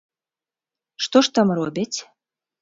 Што ж там робяць?